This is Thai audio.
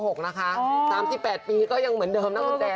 เด็กไม่โกหกนะคะ๓๘ปีก็ยังเหมือนเดิมนะคุณแท้